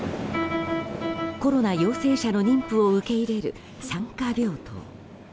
コロナ陽性者の妊婦を受け入れる産科病棟。